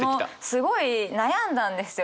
すごい悩んだんですよ！